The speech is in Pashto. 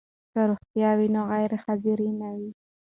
که روغتیا وي نو غیر حاضري نه وي.